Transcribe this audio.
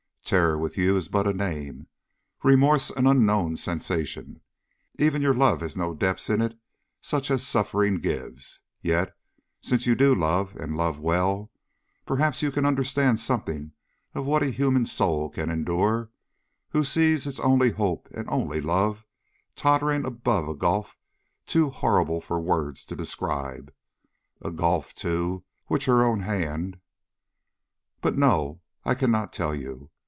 Terror with you is but a name, remorse an unknown sensation. Even your love has no depths in it such as suffering gives. Yet, since you do love, and love well, perhaps you can understand something of what a human soul can endure who sees its only hope and only love tottering above a gulf too horrible for words to describe a gulf, too, which her own hand But no, I cannot tell you.